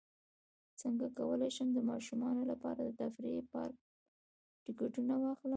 څنګه کولی شم د ماشومانو لپاره د تفریحي پارک ټکټونه واخلم